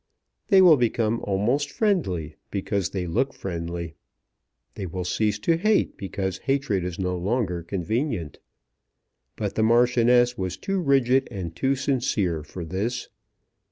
They will become almost friendly because they look friendly. They will cease to hate because hatred is no longer convenient. But the Marchioness was too rigid and too sincere for this.